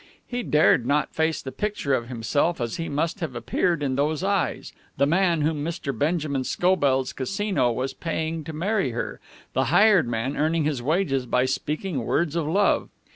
He dared not face the picture of himself as he must have appeared in those eyes, the man whom Mr. Benjamin Scobell's Casino was paying to marry her, the hired man earning his wages by speaking words of love.